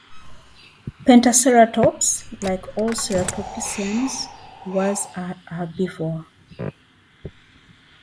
"Pentaceratops", like all ceratopsians, was an herbivore.